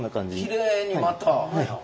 きれいにまた。